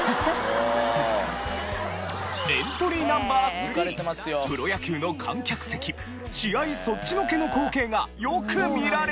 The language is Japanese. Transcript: エントリーＮｏ．３プロ野球の観客席試合そっちのけの光景がよく見られた。